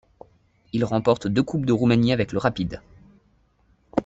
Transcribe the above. Il remporte deux Coupes de Roumanie avec le Rapid.